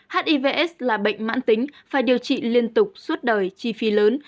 hiv s là bệnh mãn tính phải điều trị liên tục suốt đời chi phí lớn